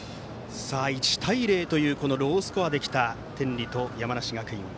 １対０というロースコアできた天理と山梨学院。